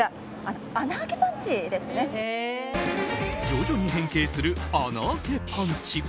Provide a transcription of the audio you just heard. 徐々に変形する穴開けパンチ。